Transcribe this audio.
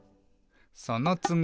「そのつぎ」